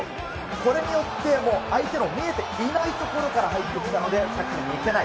これによって、もう相手の見えていない所から入ってきたので、タックルにいけない。